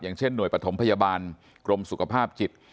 เช่นหน่วยปฐมพยาบาลกรมสุขภาพจิต